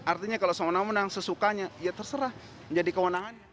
artinya kalau sewenang wenang sesukanya ya terserah menjadi kewenangannya